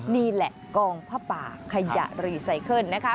นี่แหละกองผ้าป่าขยะรีไซเคิลนะคะ